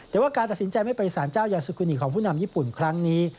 แต่ว่าการตัดสินใจไม่ไปสารเจ้ายาสุกูนิของผู้นำญี่ปุ่นครั้งนี้